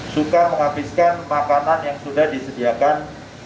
suka menghabiskan makanan yang sudah disediakan